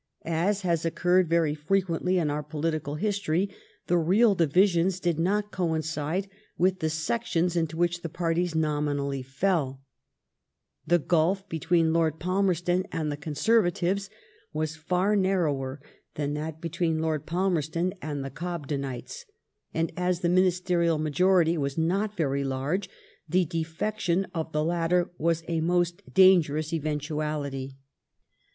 As has occorced very frequently in our political history, the real divisious did not coincide with tbe sections into which partiea nominally fell ; tbe gulf between Lord Palmerston and the Conservatives was far narrower than that between Lord Palmerston and the Cobdeuites, and as the minis* terial majority was not very large, the defection of the latter was a most dangerous eventuality.